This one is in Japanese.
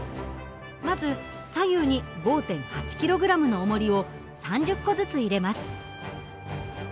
まず左右に５．８ｋｇのおもりを３０個ずつ入れます。